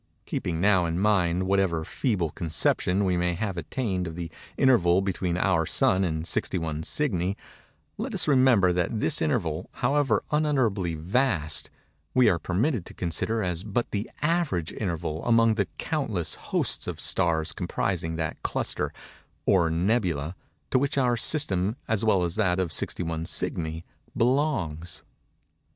Keeping now in mind whatever feeble conception we may have attained of the interval between our Sun and 61 Cygni, let us remember that this interval, however unutterably vast, we are permitted to consider as but the average interval among the countless host of stars composing that cluster, or "nebula," to which our system, as well as that of 61 Cygni, belongs.